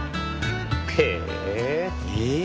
へえ。